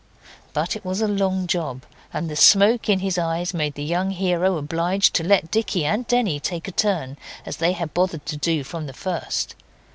But it was a long job, and the smoke in his eyes made the young hero obliged to let Dicky and Denny take a turn as they had bothered to do from the first.